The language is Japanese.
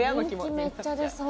人気めっちゃ出そう。